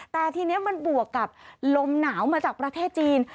แต่ทีนี้มันบวกกับลมหนาวมาจากประเทศจีน